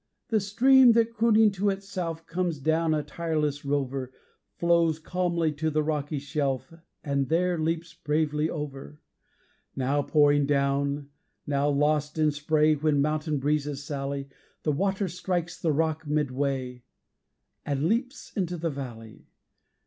The stream that, crooning to itself, Comes down a tireless rover, Flows calmly to the rocky shelf, And there leaps bravely over. Now pouring down, now lost in spray When mountain breezes sally, The water strikes the rock midway, And leaps into the valley.